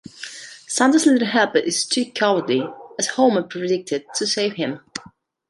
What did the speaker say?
Santa's Little Helper is too cowardly, as Homer predicted, to save him.